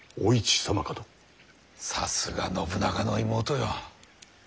さすが信長の妹よ。